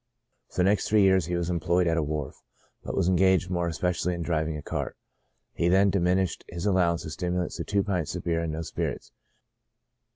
For the next three years he was employed at a wharf, but was engaged more especially in driving a cart ; he then diminished his allowance of stimulants to two pints of beer and no spirits.